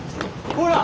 ほら！